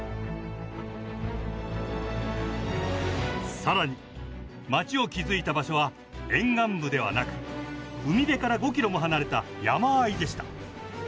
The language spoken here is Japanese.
さらに街を築いた場所は沿岸部ではなく海辺から５キロも離れた山あいでした。